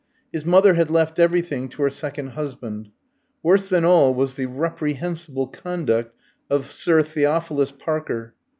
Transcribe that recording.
His mother had left everything to her second husband. Worse than all was the reprehensible conduct of Sir Theophilus Parker.